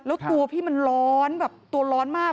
แล้วตัวพี่มันร้อนแบบตัวร้อนมาก